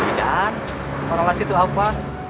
korrelasi itu apa